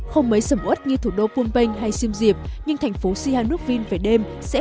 không mấy sầm út như thủ đô phú bình hay siem diệp nhưng thành phố sihanoukville về đêm sẽ